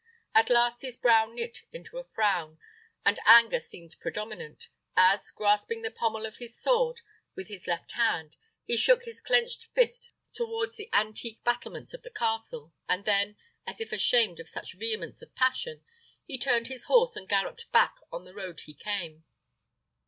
At last his brow knit into a frown, and anger seemed predominant, as, grasping the pommel of his sword with his left hand, he shook his clenched fist towards the antique battlements of the castle, and then, as if ashamed of such vehemence of passion, he turned his horse and galloped back on the road he came.